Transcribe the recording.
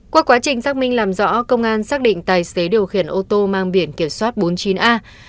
qua quá trình xác minh làm rõ công an xác định tài xế điều khiển ô tô mang biển kiểm soát bốn mươi chín a